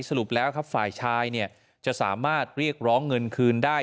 สรุปแล้วครับฝ่ายชายจะสามารถเรียกร้องเงินคืนได้